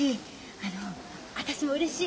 あの私もうれしい。